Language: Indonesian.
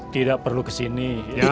tidak perlu kesini